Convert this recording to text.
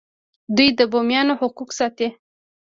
دوی د بومیانو حقوق ساتي.